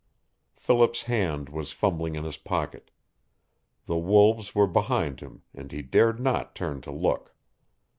Philip's hand was fumbling in his pocket. The wolves were behind him and he dared not turn to look.